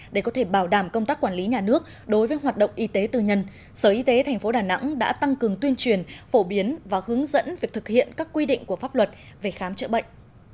để có thể bảo đảm công tác quản lý nhà nước đối với hoạt động y tế tư nhân sở y tế tp đà nẵng đã tăng cường tuyên truyền phổ biến và hướng dẫn việc thực hiện các quy định của pháp luật về khám chữa bệnh